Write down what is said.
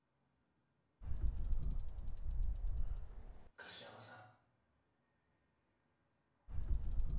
樫山さん。